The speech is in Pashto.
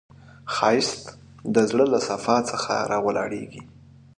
ښایست د زړه له صفا څخه راولاړیږي